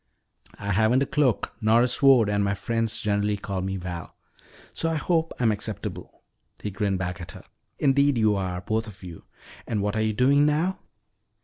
"I haven't a cloak nor a sword and my friends generally call me Val, so I hope I'm acceptable," he grinned back at her. "Indeed you are both of you. And what are you doing now?"